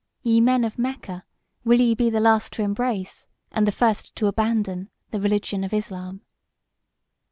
"Ye men of Mecca, will ye be the last to embrace, and the first to abandon, the religion of Islam?"